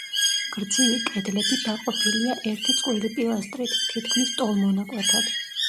გრძივი კედლები დაყოფილია ერთი წყვილი პილასტრით, თითქმის ტოლ მონაკვეთად.